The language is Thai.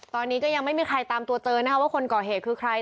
ตอนนี้ก็ยังไม่มีใครตามตัวเจอนะคะว่าคนก่อเหตุคือใคร